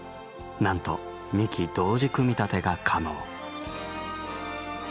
なんと２機同時組み立てが可能。